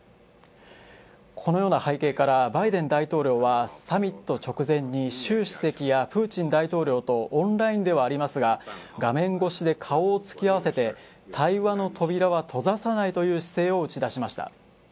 このような背景からバイデン大統領はサミット直前に習主席やプーチン大統領とオンラインではありますが、画面越しで顔を突き合わせて対話の扉は閉ざさないという姿勢を打ち出しました。